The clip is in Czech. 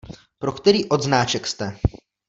Pro který odznáček jste?